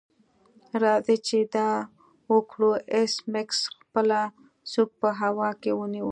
راځئ چې دا وکړو ایس میکس خپله سوک په هوا کې ونیو